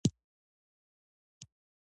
قانون حاکميت نشتون کې چور چپاول وکړي.